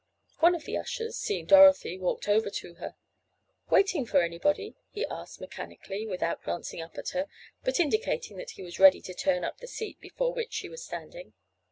One of the ushers, seeing Dorothy, walked over to her. "Waiting for anybody?" he asked mechanically, without glancing up at her, but indicating that he was ready to turn up the seat before which she was standing.